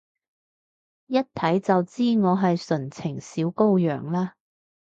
一睇就知我係純情小羔羊啦？